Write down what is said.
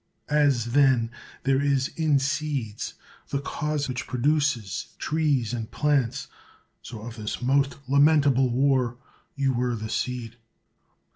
As, then, there is in seeds the cause which pro duces trees and plants, so of this most lamentable war you were the seed.